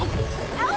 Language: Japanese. あっ！